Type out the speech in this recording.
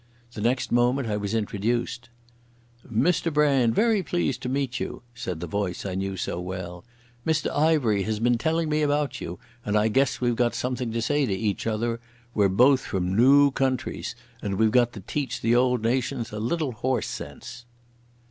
The next moment I was being introduced. "Mr Brand, very pleased to meet you," said the voice I knew so well. "Mr Ivery has been telling me about you, and I guess we've got something to say to each other. We're both from noo countries, and we've got to teach the old nations a little horse sense."